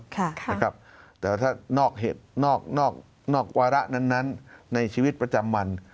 แต่ถ้านอกเหตุนอกวาระนั้นในชีวิตประจำวัน